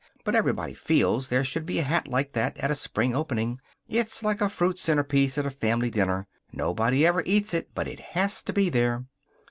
"But everybody feels there should be a hat like that at a spring opening. It's like a fruit centerpiece at a family dinner. Nobody ever eats it, but it has to be there."